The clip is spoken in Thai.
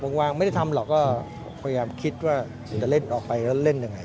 วางไม่ได้ทำหรอกก็พยายามคิดว่าจะเล่นออกไปแล้วเล่นยังไง